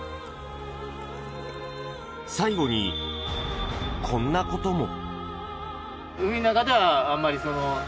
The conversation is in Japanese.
最後に、こんなことも。